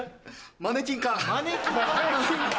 マネキン科。